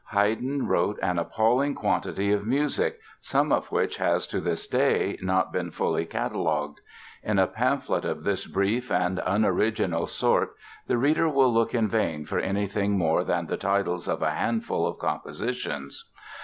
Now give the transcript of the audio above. Haydn wrote an appalling quantity of music, some of which has to this day not been finally catalogued. In a pamphlet of this brief and unoriginal sort the reader will look in vain for anything more than the titles of a handful of compositions.